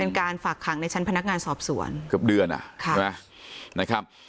การฝากขังในชั้นพนักงานสอบสวนเกือบเดือนอ่ะค่ะใช่ไหมนะครับ